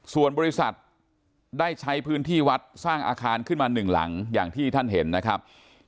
ส่วนบริษัทได้ใช้พื้นที่วัดสร้างอาคารขึ้นมาหนึ่งหลังอย่างที่ท่านเห็นนะครับ